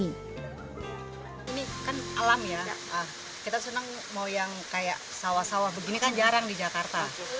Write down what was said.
ini kan alam ya kita senang mau yang kayak sawah sawah begini kan jarang di jakarta